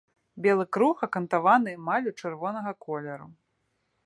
Белы круг акантаваны эмаллю чырвонага колеру.